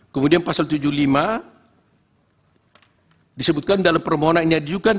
kemudian pasal tujuh puluh lima disebutkan dalam permohonan yang diajukan